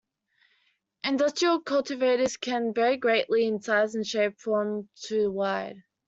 Industrial cultivators can vary greatly in size and shape, from to wide.